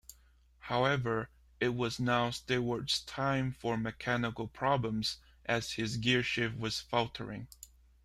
However, it was now Stewart's time for mechanical problems as his gearshift was faltering.